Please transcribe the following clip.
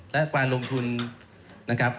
และการลงทุนนะครับ